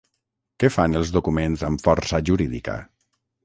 Què fan els documents amb força jurídica?